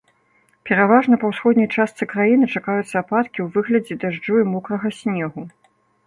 Пераважна па ўсходняй частцы краіны чакаюцца ападкі ў выглядзе дажджу і мокрага снегу.